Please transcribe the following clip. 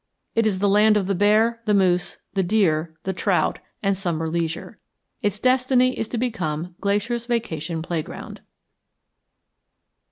It is the land of the bear, the moose, the deer, the trout, and summer leisure. Its destiny is to become Glacier's vacation playground.